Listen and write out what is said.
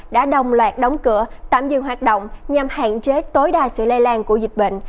đã đồng loạt đóng cửa tạm dừng hoạt động nhằm hạn chế tối đa sự lây lan của dịch bệnh